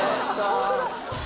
ホントだ！